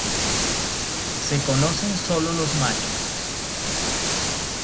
Se conocen solo los machos.